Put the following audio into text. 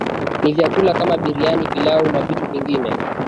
Ni vyakula kama biriyani pilau na vitu vingine